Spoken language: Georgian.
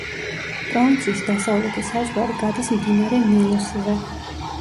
პროვინციის დასავლეთი საზღვარი გადის მდინარე ნილოსზე.